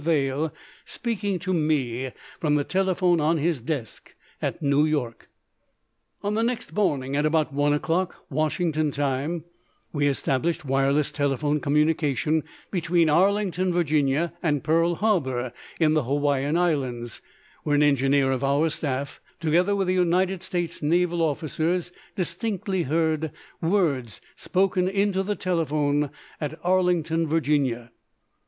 Vail speaking to me from the telephone on his desk at New York. On the next morning at about one o'clock, Washington time, we established wireless telephone communication between Arlington, Virginia, and Pearl Harbor in the Hawaiian Islands, where an engineer of our staff, together with United States naval officers, distinctly heard words spoken into the telephone at Arlington, Virginia.